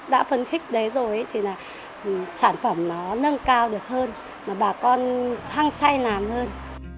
đã phấn thích đấy rồi thì sản phẩm nó nâng cao được hơn mà bà con thăng say làm hơn